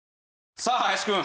さあ林くん